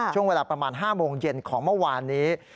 ช่วงเวลาประมาณ๕โมงเย็นของเมื่อวานนี้